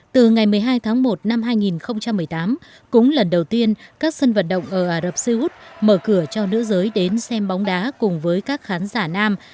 từ ngày một mươi hai tháng một năm hai nghìn một mươi tám cũng lần đầu tiên các sân vận động ở ả rập xê út mở cửa cho nữ giới đến xem bóng đá cùng với các khán giả nam